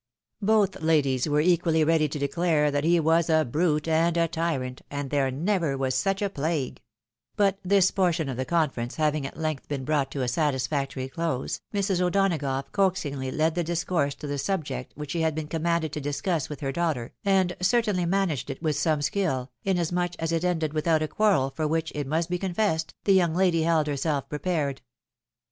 Both ladies were equally ready to declare that he was a brute, and a tyrant, and there never was such a plague ; but this portion of the conference having at length been brought to a satisfactory close, Mrs. O'Donagough coaxingly led the dis course to the subject which she had been commanded to discuss with her daughter, and certainly managed it with some skill, inasmuch as it ended without a quarrel, for which, it must be confessed, the young lady held herself prepared.